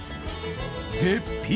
絶品！